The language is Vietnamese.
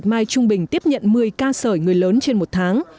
bệnh viện bạch mai trung bình tiếp nhận một mươi ca sởi người lớn trên một tháng